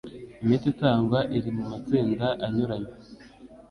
Imiti itangwa iri mu matsinda anyuranye,